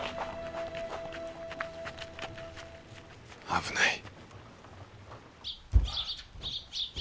危ない。